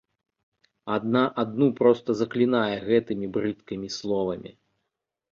Адна адну проста заклінае гэтымі брыдкімі словамі.